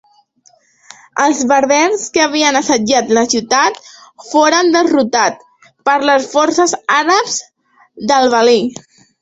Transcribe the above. Els berbers que havien assetjat la ciutat, foren derrotats per les forces àrabs del valí.